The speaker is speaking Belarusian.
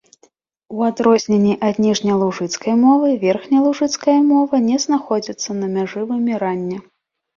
У адрозненні ад ніжнялужыцкай мовы верхнялужыцкая мова не знаходзіцца на мяжы вымірання.